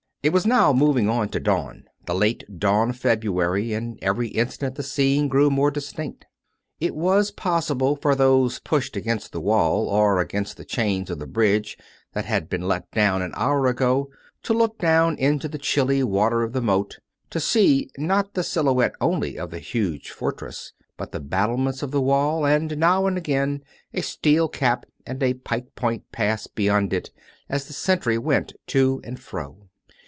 It was now moving on to dawn, the late dawn of February; and every instant the scene grew more distinct. It was 861 352 COME RACK! COME ROPE! possible for those pushed against the wall, or against the chains of the bridge that had been let down an hour ago, to look down into the chilly water of the moat; to see not the silhouette only of the huge fortress, but the battle ments of the wall, and now and again a steel cap and a pike point pass beyond it as the sentry went to and fro.